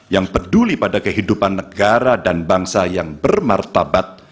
yang peduli pada kehidupan negara dan bangsa yang bermartabat